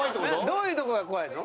どういうとこが怖いの？